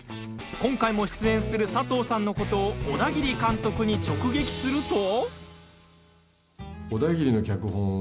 今回も出演する佐藤さんのことをオダギリ監督に直撃すると。